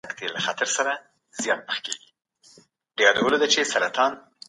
اصلاحات په ټولو دولتي ادارو کي روان وو.